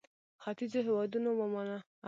ختیځو هېوادونو ومانه.